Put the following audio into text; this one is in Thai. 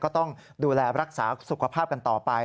ก็ต้องดูแลรักษาสุขภาพกันต่อไป